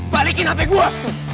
balikin hp gue